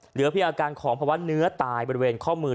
เหลือเพียงอาการของภาวะเนื้อตายบริเวณข้อมือ